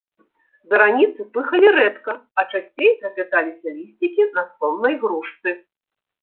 Зараніцы пыхалі рэдка, а часцей трапяталіся лісцікі на соннай грушцы.